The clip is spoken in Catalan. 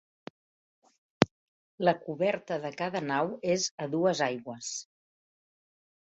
La coberta de cada nau és a dues aigües.